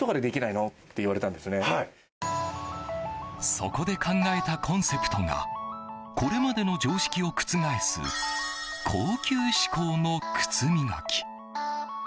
そこで考えたコンセプトがこれまでの常識を覆す高級志向の靴磨き。